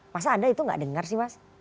masa anda itu nggak dengar sih mas